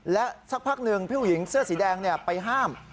และสักพักหนึ่งพี่ผู้หญิงเสื้อสีแดงไปห้าม